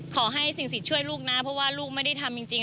ขอให้สิ่งสิทธิ์ช่วยลูกนะเพราะว่าลูกไม่ได้ทำจริง